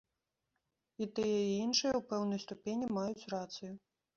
І тыя, і іншыя ў пэўнай ступені маюць рацыю.